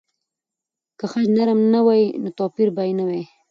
که خج نرم نه وای، نو توپیر به نه وای.